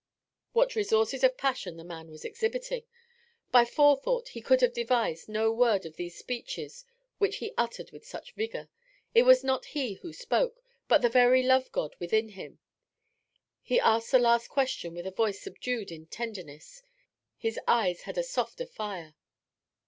What resources of passion the man was exhibiting! By forethought he could have devised no word of these speeches which he uttered with such vigour; it was not he who spoke, but the very Love God within him. He asked the last question with a voice subdued in tenderness; his eyes had a softer fire.